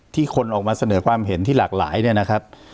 คนออกมาเสนอความเห็นที่หลากหลายเนี่ยนะครับ